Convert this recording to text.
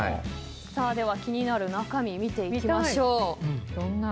気になる中身見ていきましょう。